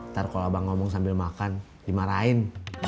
ntar kalau abang ngomong sambil makan dimarahin